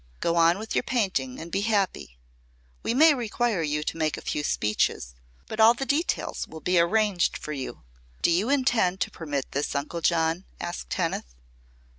Go on with your painting and be happy. We may require you to make a few speeches, but all the details will be arranged for you." "Do you intend to permit this, Uncle John?" asked Kenneth.